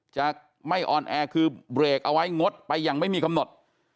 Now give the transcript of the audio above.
จะไม่ออนแอร์คือเบรกเอาไว้งดไปอย่างไม่มีกำหนด